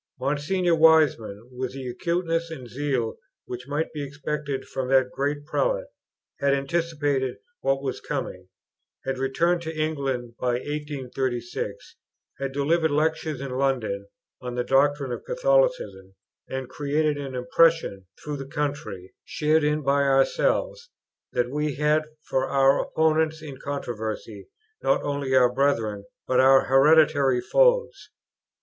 Monsignore Wiseman, with the acuteness and zeal which might be expected from that great Prelate, had anticipated what was coming, had returned to England by 1836, had delivered Lectures in London on the doctrines of Catholicism, and created an impression through the country, shared in by ourselves, that we had for our opponents in controversy, not only our brethren, but our hereditary foes.